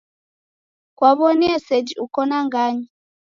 Kwaw'onie seji uko na nganyi?